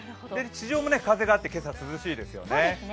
地上も風があって今朝は涼しいですよね。